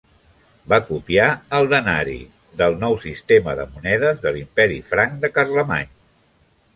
Va copiar el "denari" del nou sistema de monedes de l"imperi franc de Carlemany.